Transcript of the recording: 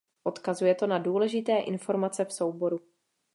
Odkazuje to na důležité informace v souboru.